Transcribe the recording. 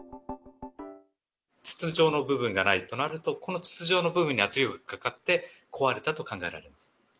筒状の部分がないとなると、この筒状の部分に圧力がかかって、壊れたと考えられます。